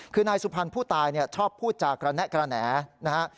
คือนายสุพรรณผู้ตายชอบพูดจากกระแนะกระแหนนะฮะ